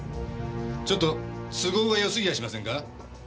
ちょっと都合がよすぎやしませんか？